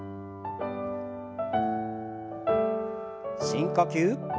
深呼吸。